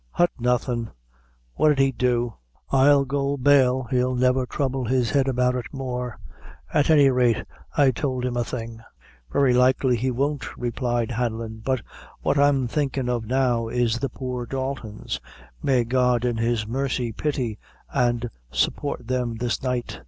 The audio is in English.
"Hut, nothing. What 'id he do? I'll go bail, he'll never trouble his head about it more; at any rate I tould him a thing." "Very likely he won't," replied Hanlon; "but what I'm thinkin' of now, is the poor Daltons. May God in his mercy pity an' support them this night!"